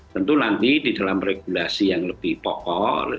tentu nanti di dalam regulasi yang lebih pokok